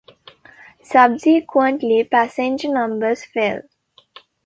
Subsequently, passenger numbers fell.